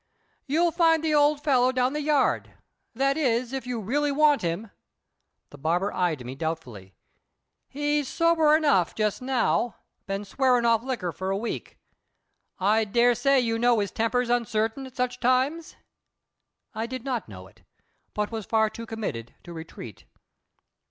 "You'll find the old fellow down the yard. That is, if you really want him." The barber eyed me doubtfully. "He's sober enough, just now; been swearin off liquor for a week. I dare say you know his temper's uncertain at such times." I did not know it, but was too far committed to retreat.